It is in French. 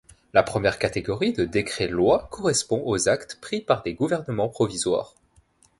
La première catégorie de décrets-lois correspond aux actes pris par des gouvernements provisoires.